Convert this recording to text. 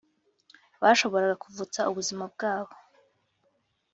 bashoboraga kuvutswa ubuzima bwabo